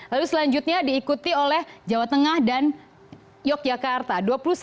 lalu selanjutnya diikuti oleh jawa tengah dan yogyakarta